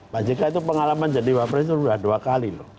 pak jk itu pengalaman jadi wapres itu sudah dua kali loh